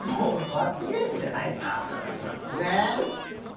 罰ゲームじゃないからさ。